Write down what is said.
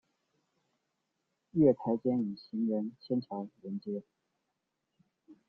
月台间以行人天桥连接。